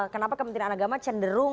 kenapa kementerian agama cenderung